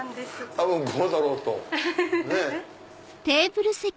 多分こうだろうと。